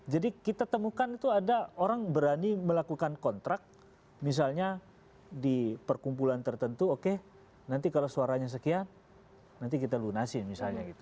jadi kita temukan itu ada orang berani melakukan kontrak misalnya di perkumpulan tertentu oke nanti kalau suaranya sekian nanti kita lunasin misalnya gitu